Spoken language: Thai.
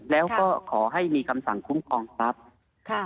แล้วก็ขอให้มีคำสั่งคุ้มครองทรัพย์